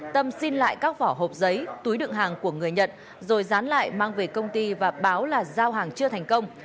tâm xin lại các vỏ hộp giấy túi đựng hàng của người nhận rồi dán lại mang về công ty và báo là giao hàng chưa thành công